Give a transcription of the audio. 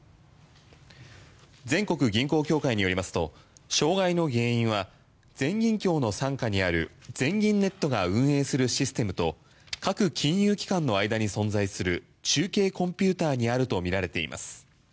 全国銀行協会によりますと障害の原因は全銀協の傘下にある全銀ネットが運営するシステムと各金融機関の間に存在する中継コンピューターにあるとみられています。